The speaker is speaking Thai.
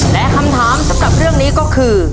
และคำถามสำหรับเรื่องนี้ก็คือ